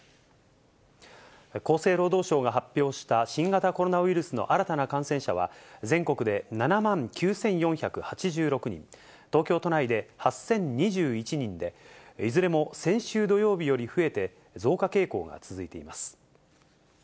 厚生労働省が発表した新型コロナウイルスの新たな感染者は、全国で７万９４８６人、東京都内で８０２１人で、いずれも先週土曜日より増えて、増加傾向が続いています。